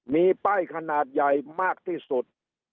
มีป้ายขนาดใหญ่มากที่สุด